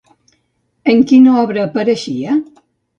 En quina obra apareixia?